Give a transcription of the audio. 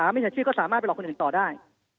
๓วิชาชีพก็สามารถไปรอผู้ดินต่อได้